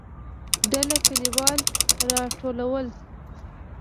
ډله کليوال راټول ول.